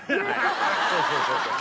そうそうそうそう。